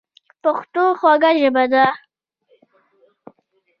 پښتو خوږه ژبه ده